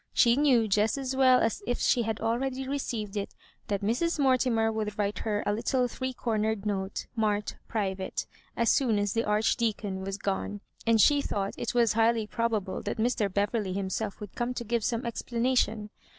She knew, just as well as if she had already received it, that Mrs. Mortimer would write her a little three cornered note, marked Privaie^ as soon as the Archdeacon was gone ; and she thought it was highly probable that Mr. Beverley himself would come to give some explanation.